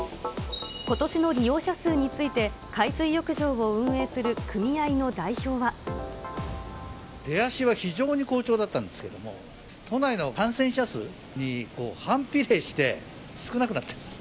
ことしの利用者数について、出足は非常に好調だったんですけども、都内の感染者数に反比例して、少なくなっちゃってます。